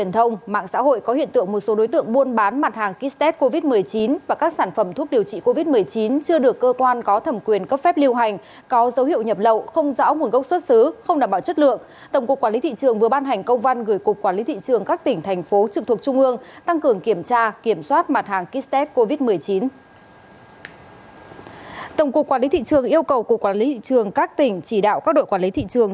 tổng cục quản lý thị trường yêu cầu cục quản lý thị trường các tỉnh chỉ đạo các đội quản lý thị trường